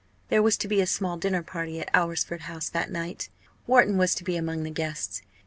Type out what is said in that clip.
There was to be a small dinner party at Alresford House that night. Wharton was to be among the guests.